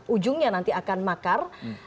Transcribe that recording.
ujungnya nanti akan makar